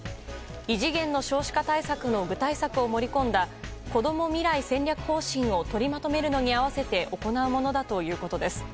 異次元の少子化対策の具体策を盛り込んだこども未来戦略方針を取りまとめるのに合わせて行うものだということです。